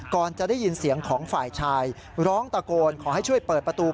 ก่อนจะได้ยินเสียงของฝ่ายชายร้องตะโกนขอให้ช่วยเปิดประตู